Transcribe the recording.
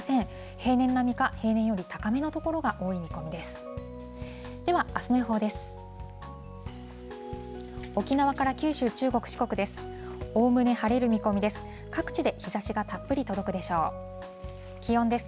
平年並みか平年より高めの所が多い見込みです。